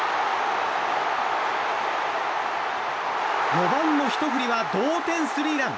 ４番のひと振りは同点スリーラン！